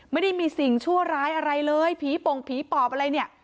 ไม่ได้มีสิ่งชั่วร้ายอะไรเลยผีปงผีปอบอะไรเนี่ย